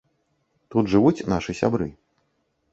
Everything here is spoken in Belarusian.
Тут жывуць нашы сябры.